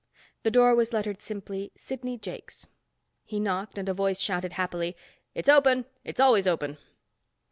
The door was lettered simply Sidney Jakes. He knocked and a voice shouted happily, "It's open. It's always open."